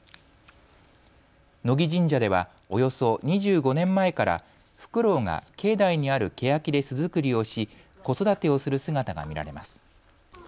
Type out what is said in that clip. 野木神社ではおよそ２５年前からフクロウが境内にあるケヤキで巣作りをし子育てをする姿が見られます。